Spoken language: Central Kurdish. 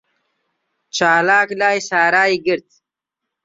چالاک لای سارای گرت.